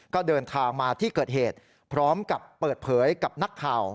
ก็เดินทางมาที่เกิดเหตุพร้อมกับเปิดเผยกับนักข่าว